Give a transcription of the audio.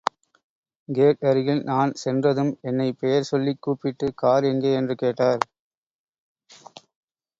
கேட்அருகில் நான் சென்றதும், என்னைப் பெயர் சொல்லிக் கூப்பிட்டு, கார் எங்கே? என்று கேட்டார்.